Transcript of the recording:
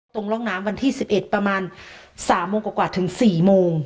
ร่องน้ำวันที่๑๑ประมาณ๓โมงกว่าถึง๔โมง